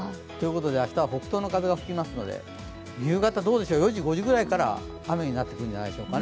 明日の北東の風が吹きますので、夕方４時、５時ぐらいから雨になってくるんじゃないでしょうか。